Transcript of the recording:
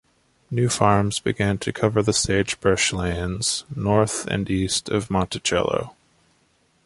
New farms began to cover the sagebrush lands north and east of Monticello.